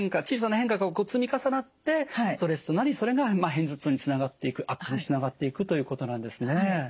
小さな変化が積み重なってストレスとなりそれが片頭痛につながっていく悪化につながっていくということなんですね。